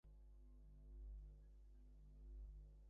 শরীরের স্নায়ুপ্রবাহগুলি মেরুদণ্ডের মধ্য দিয়া প্রবাহিত।